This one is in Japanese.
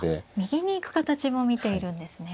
右に行く形も見ているんですね。